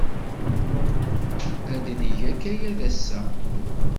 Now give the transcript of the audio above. Ad neg akayad ass-a.